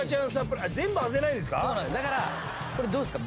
そうだからこれどうっすか？